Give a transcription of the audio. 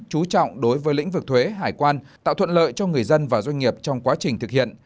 chú trọng đối với lĩnh vực thuế hải quan tạo thuận lợi cho người dân và doanh nghiệp trong quá trình thực hiện